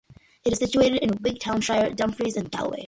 It is situated in Wigtownshire, Dumfries and Galloway.